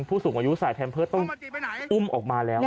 ผู้สูงอายุสายแพมเพิร์ตต้องอุ้มออกมาแล้ว